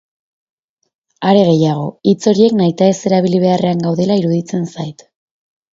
Are gehiago, hitz horiek nahitaez erabili beharrean gaudela iruditzen zait.